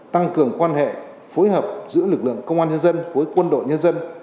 tăng cường quan hệ phối hợp giữa lực lượng công an nhân dân với quân đội nhân dân